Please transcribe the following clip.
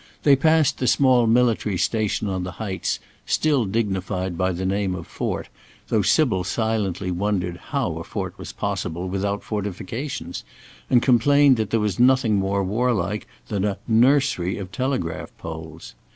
They passed the small military station on the heights, still dignified by the name of fort, though Sybil silently wondered how a fort was possible without fortifications, and complained that there was nothing more warlike than a "nursery of telegraph poles."